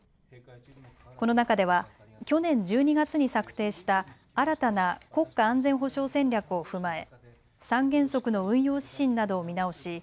この中では去年１２月に策定した新たな国家安全保障戦略を踏まえ三原則の運用指針などを見直し